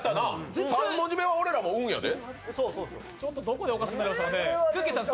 ３文字目は俺らも「ん」やで。